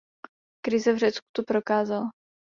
Krize v Řecku to prokázala.